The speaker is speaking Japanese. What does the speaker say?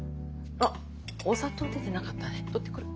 あっお砂糖出てなかったね取ってくる。